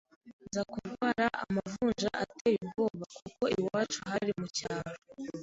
nza kurwara amavunja ateye ubwoba kuko iwacu hari mu cyaro